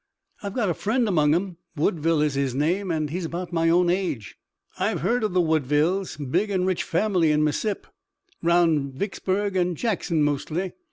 "I've got a friend among 'em. Woodville is his name, and he's about my own age." "I've heard of the Woodvilles. Big an' rich family in Missip. 'Roun' Vicksburg and Jackson mostly.